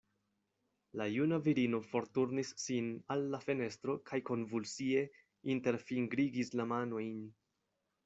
La juna virino forturnis sin al la fenestro kaj konvulsie interfingrigis la manojn.